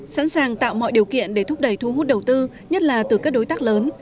sẵn sàng tạo mọi điều kiện để thúc đẩy thu hút đầu tư nhất là từ các đối tác lớn